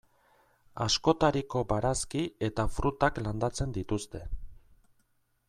Askotariko barazki eta frutak landatzen dituzte.